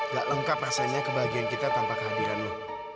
gak lengkap rasanya kebahagiaan kita tanpa kehadiran lo